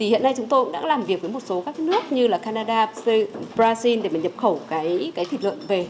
hiện nay chúng tôi cũng đã làm việc với một số các nước như là canada brazil để nhập khẩu thịt lợn về